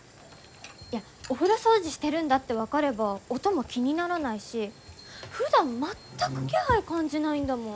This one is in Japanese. いやお風呂掃除してるんだって分かれば音も気にならないしふだん全く気配感じないんだもん。